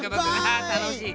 たのしい。